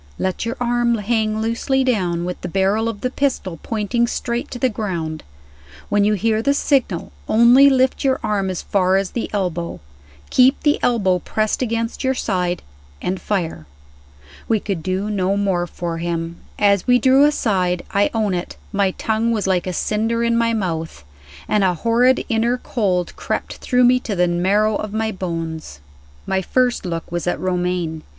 "Let your arm hang loosely down, with the barrel of the pistol pointing straight to the ground. When you hear the signal, only lift your arm as far as the elbow; keep the elbow pressed against your side and fire." We could do no more for him. As we drew aside I own it my tongue was like a cinder in my mouth, and a horrid inner cold crept through me to the marrow of my bones. The signal was given, and the two shots were fired at the same time. My first look was at Romayne.